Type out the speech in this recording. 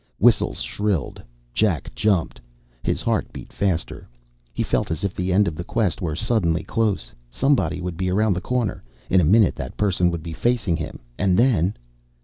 Whistles shrilled. Jack jumped. His heart beat faster. He felt as if the end of the quest were suddenly close. Somebody would be around the corner. In a minute that person would be facing him, and then